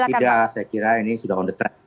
tidak saya kira ini sudah on the track